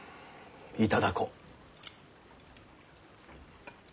頂こう。